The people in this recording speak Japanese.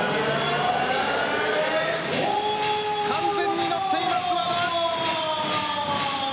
完全に乗っています、和田。